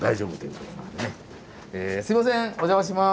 すいませんお邪魔します。